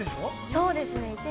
◆そうですね。